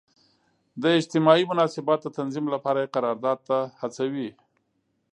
د اجتماعي مناسباتو د تنظیم لپاره یې قرارداد ته هڅوي.